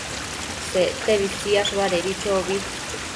Sectebi siash badedi chobi